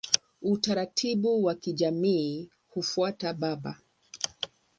Utaratibu wa kijamii hufuata baba.